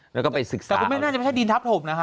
แล้วก็ไปศึกษาแต่คุณแม่น่าจะไม่ใช่ดินทับถมนะฮะ